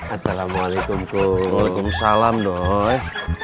assalamualaikum kum salam doi